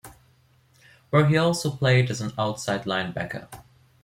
Where he also played as an outside linebacker.